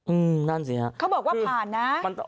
อืมนั่นสิฮะเขาบอกว่าผ่านนะ